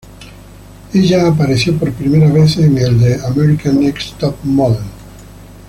Ella apareció por primera vez en el de "America's Next Top Model".